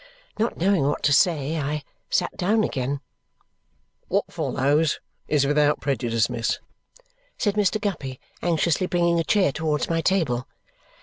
Not knowing what to say, I sat down again. "What follows is without prejudice, miss?" said Mr. Guppy, anxiously bringing a chair towards my table.